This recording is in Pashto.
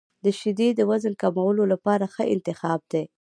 • شیدې د وزن کمولو لپاره ښه انتخاب دي.